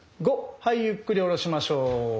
はいゆっくり下ろしましょう。